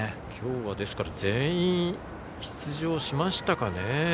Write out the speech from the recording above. きょうは全員出場しましたかね。